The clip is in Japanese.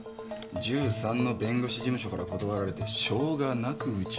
１３の弁護士事務所から断られてしょうがなくウチへ来たらしい。